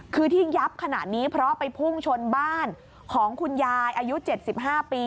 คือที่ยับขณะนี้เพราะไปพุ่งชนบ้านของคุณยายอายุเจ็ดสิบห้าปี